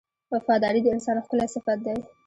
• وفاداري د انسان ښکلی صفت دی.